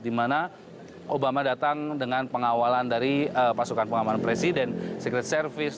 di mana obama datang dengan pengawalan dari pasukan pengaman presiden secret service